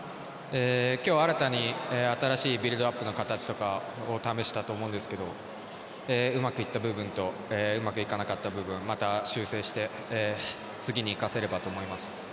今日新たに新しいビルドアップの形とか試したと思いますけどうまくいった部分とうまくいかなかった部分をまた修正して次に生かせればと思います。